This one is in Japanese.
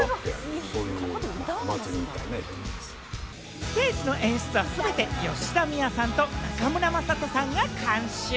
ステージの演出は全て吉田美和さんと中村正人さんが監修。